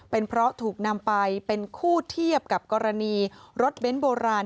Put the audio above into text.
เป็นเพราะถูกนำไปเป็นคู่เทียบกับกรณีรถเบ้นโบราณ